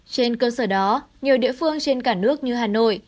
trên cơ sở đó nhiều địa phương trên cả nước như hà nội